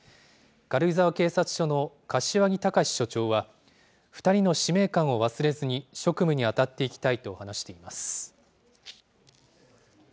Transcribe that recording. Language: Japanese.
軽井沢警察署の柏木隆署長は、２人の使命感を忘れずに、職務に当たっていきたいと話しています。